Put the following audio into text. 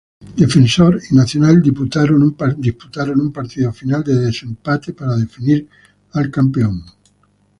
Defensor y Nacional, disputaron un partido final de desempate, para definir al campeón.